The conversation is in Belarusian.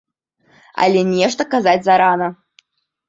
Але нешта казаць зарана.